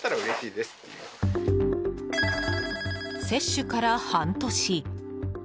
接種から半年。